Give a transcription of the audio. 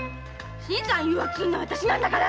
新さん誘惑するのは私なんだから！